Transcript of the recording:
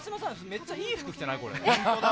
めっちゃいい服着てない？